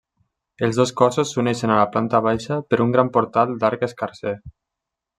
Els dos cossos s'uneixen a la planta baixa per un gran portal d'arc escarser.